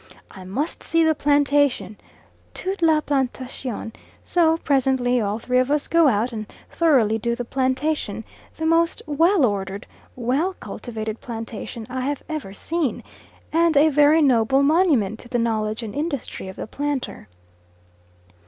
I must see the plantation, toute la plantation. So presently all three of us go out and thoroughly do the plantation, the most well ordered, well cultivated plantation I have ever seen, and a very noble monument to the knowledge and industry of the planter.